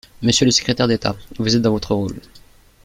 Monsieur le secrétaire d’État, vous êtes dans votre rôle.